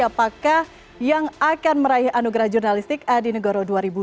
apakah yang akan meraih anugerah jurnalistik adi negoro dua ribu dua puluh